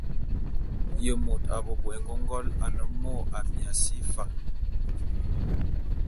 Ye môt a bo a bo'ok éngôngol ane mô Amiasi Fan?